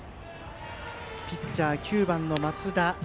ピッチャー、９番の升田。